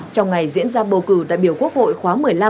trong ngày diễn ra bầu cử đại biểu quốc hội khóa một mươi năm